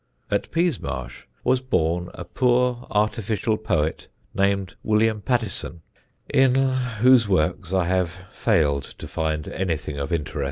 At Peasmarsh was born a poor artificial poet named William Pattison, in whose works I have failed to find anything of interest.